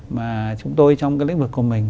mà chúng tôi trong cái lĩnh vực của mình